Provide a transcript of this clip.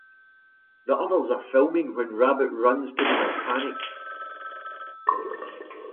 The others are filming when Rabbit runs to them and panics.